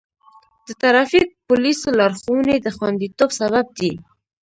د ټرافیک پولیسو لارښوونې د خوندیتوب سبب دی.